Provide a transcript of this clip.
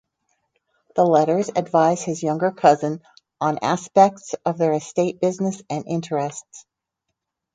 The letters advise his younger cousin on aspects of their estate business and interests.